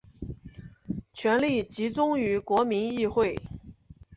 权力集中于国民议会。